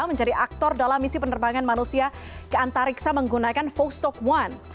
menjadi aktor dalam misi penerbangan manusia ke antariksa menggunakan vostok one